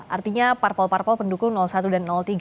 artinya parpol parpol pendukung satu dan tiga